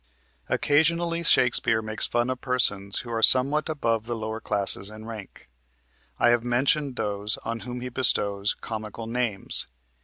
Occasionally Shakespeare makes fun of persons who are somewhat above the lower classes in rank. I have mentioned those on whom he bestows comical names.